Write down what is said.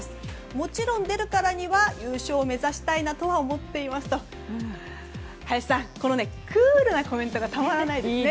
もちろん出るからには優勝を目指したいなとは思っていますと林さん、このクールなコメントがたまらないですね。